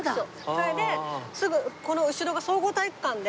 それですぐこの後ろが総合体育館で。